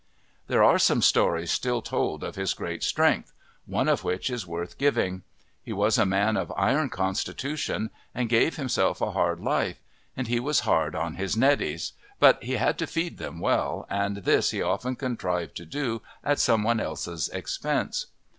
There are some stories still told of his great strength, one of which is worth giving. He was a man of iron constitution and gave himself a hard life, and he was hard on his neddies, but he had to feed them well, and this he often contrived to do at some one else's expense.